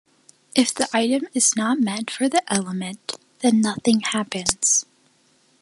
If the item is not meant for the element, then nothing happens.